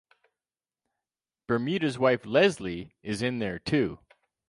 Bermuda's wife Leslie is in there too.